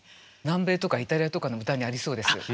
南米とかイタリアとかの歌にありそうです。